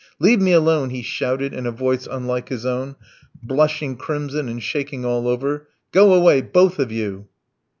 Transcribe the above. "Leave me alone," he shouted in a voice unlike his own, blushing crimson and shaking all over. "Go away, both of you!"